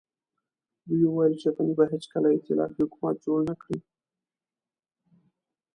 دوی ويل چې غني به هېڅکله ائتلافي حکومت جوړ نه کړي.